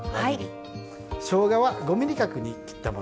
しょうがは５ｍｍ角に切ったものです。